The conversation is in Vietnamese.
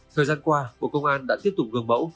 thời gian qua bộ công an đã tiếp tục gương mẫu